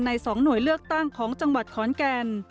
๒หน่วยเลือกตั้งของจังหวัดขอนแก่น